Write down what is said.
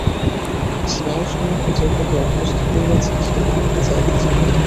স্নায়ুসমূহ যেভাবে অভ্যস্ত হইয়াছে, সেই দিকেই যাইতে চায়।